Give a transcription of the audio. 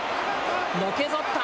のけぞった。